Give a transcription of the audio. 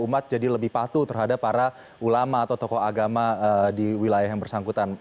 umat jadi lebih patuh terhadap para ulama atau tokoh agama di wilayah yang bersangkutan